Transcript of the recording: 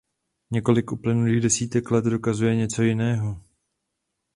Několik uplynulých desítek let dokazuje něco jiného.